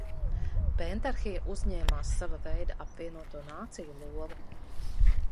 Pentarhija uzņēmās sava veida apvienoto nāciju lomu.